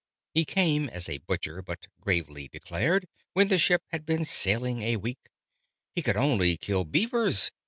He came as a Butcher: but gravely declared, When the ship had been sailing a week, He could only kill Beavers.